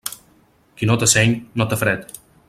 Qui no té seny, no té fred.